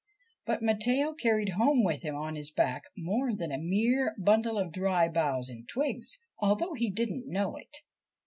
But Matteo carried home with him on his back more than a mere bundle of dry boughs and twigs, although he did not know it.